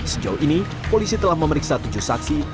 sejauh ini polisi telah memeriksa tujuh saksi